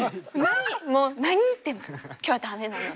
もう何言っても今日はダメなので。